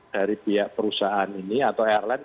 dari pihak perusahaan ini atau airline